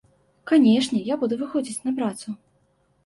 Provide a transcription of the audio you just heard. Канешне, я буду выходзіць на працу.